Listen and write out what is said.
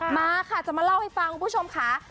มาค่ะจะมาเล่าให้ฟังคุณผู้ชมค่ะ